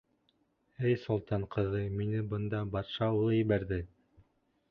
— Эй солтан ҡыҙы, мине бында батша улы ебәрҙе.